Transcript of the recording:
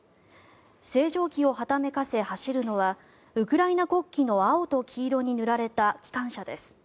星条旗をはためかせ、走るのはウクライナ国旗の青と黄色に塗られた機関車です。